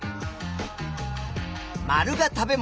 ●が食べ物